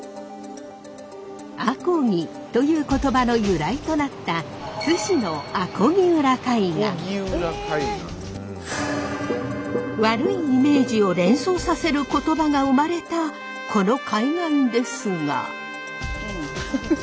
あこぎという言葉の由来となった津市の悪いイメージを連想させる言葉が生まれたこの海岸ですが。